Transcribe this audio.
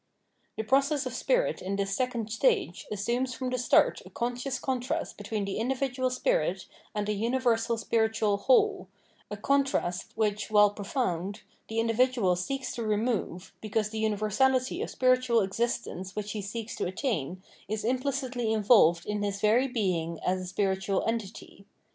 The process of spirit in this second stage assumes from the start a conscious contrast between the individual spirit and a universal spiritual whole, a contrast, which, while profound, the individual seeks to remove, because the universality of spiritual existence which he seeks to attain is implicitly involved in his very being as a spiritual entity.